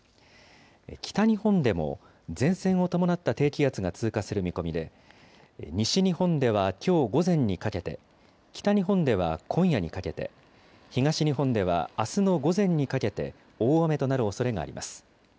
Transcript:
北日本でも前線を伴った低気圧が通過する見込みで、西日本ではきょう午前にかけて、北日本では今夜にかけて、東日本ではあすの午前にかけて、大雨となるおそれがあります。